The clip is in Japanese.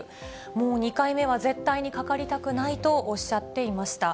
もう２回目に絶対にかかりたくないとおっしゃっていました。